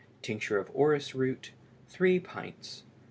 Tincture of orris root 3 pints.